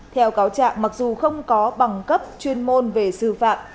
theo cáo trạng mặc dù không có bằng cấp chuyên môn về xử phạm